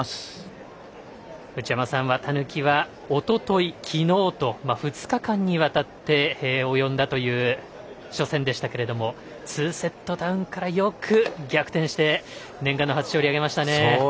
内山さん、綿貫はおととい、昨日と２日間にわたって及んだという初戦でしたけれども２セットダウンからよく逆転して念願の初勝利を挙げましたね。